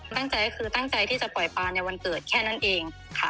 ตั้งใจคือตั้งใจที่จะปล่อยปลาในวันเกิดแค่นั้นเองค่ะ